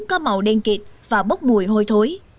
có màu đen kịt và bốc mùi hôi thối